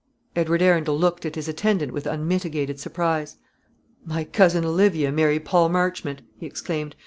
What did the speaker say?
Edward Arundel looked at his attendant with unmitigated surprise. "My cousin Olivia marry Paul Marchmont!" he exclaimed.